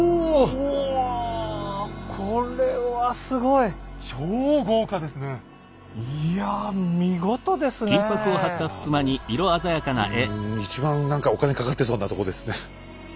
うわもう一番何かお金かかってそうなとこですね。